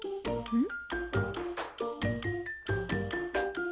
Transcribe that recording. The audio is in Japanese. うん。